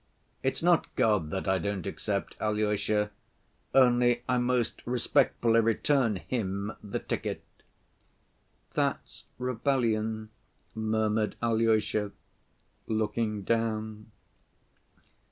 It's not God that I don't accept, Alyosha, only I most respectfully return Him the ticket." "That's rebellion," murmured Alyosha, looking down.